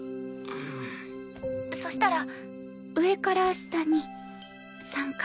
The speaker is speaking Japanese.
「そしたら」上から下に３回。